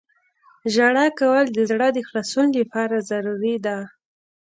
• ژړا کول د زړه د خلاصون لپاره ضروري ده.